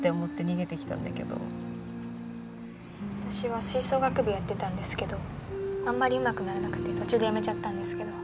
私は吹奏楽部やってたんですけどあんまりうまくならなくて途中でやめちゃったんですけど。